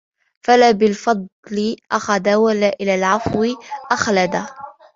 فَلَا بِالْفَضْلِ أَخَذَ وَلَا إلَى الْعَفْوِ أَخْلَدَ